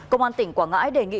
công an tỉnh quảng ngãi đề nghị